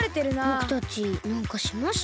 ぼくたちなんかしました？